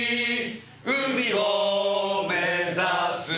海を目指す」